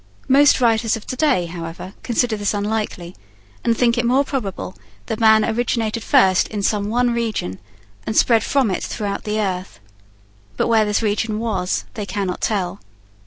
Most writers of to day, however, consider this unlikely, and think it more probable that man originated first in some one region, and spread from it throughout the earth. But where this region was, they cannot tell.